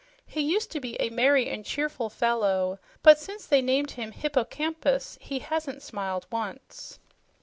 He used to be a merry and cheerful fellow, but since they named him 'hippocampus' he hasn't smiled once."